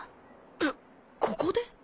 えっここで！？